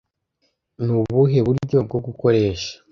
Ni ubuhe buryo bwo gukoresha